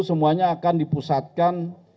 semuanya akan dipusatkan